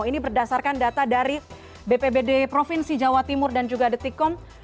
ini berdasarkan data dari bpbd provinsi jawa timur dan juga detikom